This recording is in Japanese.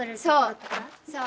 そう！